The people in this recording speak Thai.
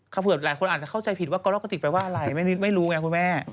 ก็เผื่อหลายคนรู้ต้องคิดว่ากรอกกติกเป็นอะไรไม่รู้ไงขุนแม่